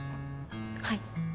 はい。